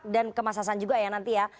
dan ke mas hasan juga ya nanti ya